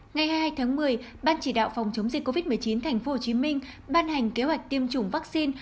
ngày hai mươi hai tháng một mươi ban chỉ đạo phòng chống dịch covid một mươi chín thành phố hồ chí minh ban hành kế hoạch tiêm chủng vaccine